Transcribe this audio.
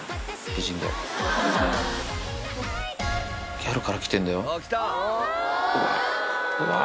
ギャルから来てんだよ。